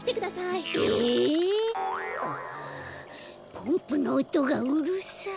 ポンプのおとがうるさい。